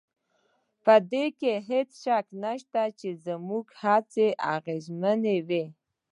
په دې کې هېڅ شک نشته چې زموږ هڅې اغېزمنې وې